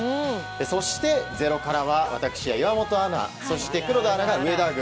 そして、「ｚｅｒｏ」からは私や岩本アナそして黒田アナが上田軍。